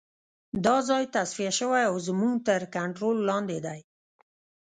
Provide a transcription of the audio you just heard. دا ځای تصفیه شوی او زموږ تر کنترول لاندې دی